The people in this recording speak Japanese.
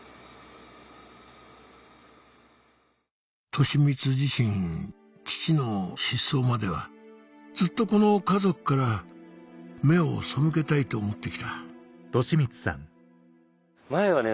俊光自身父の失踪まではずっとこの家族から目を背けたいと思って来た前はね